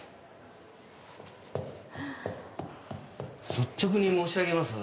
率直に申し上げます。